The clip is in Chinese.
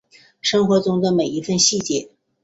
生活中的每一分细节